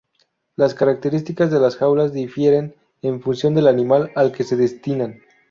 Las características de las jaulas difieren en función del animal al que se destinan.